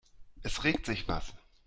Es regt sich was.